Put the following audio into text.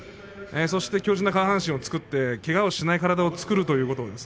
そして強じんな下半身を作ってけがをしない体を作るということ。